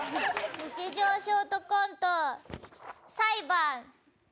日常ショートコント、裁判。